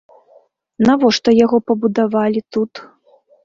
Навошта яго пабудавалі тут?